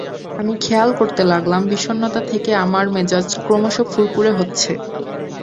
আমি খেয়াল করতে লাগলাম বিষণ্নতা থেকে আমার মেজাজ ক্রমশ ফুরফুরে হচ্ছে।